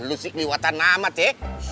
lo sih keliwatan amat ya